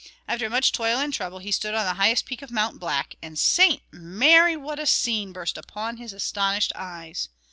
After much toil and trouble, he stood on the highest peak of Mount Black; and, St. Mary! what a scene burst upon his astonished eyes.